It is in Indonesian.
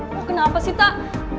kok kenapa sih tak